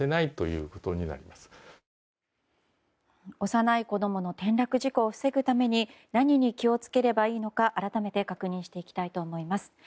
幼い子供の転落事故を防ぐために何に気を付ければいいのか改めて、確認していきたいと思います。